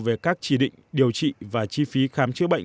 về các chỉ định điều trị và chi phí khám chữa bệnh